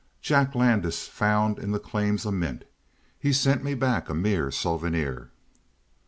Jack Landis found in the claims a mint. He sent me back a mere souvenir."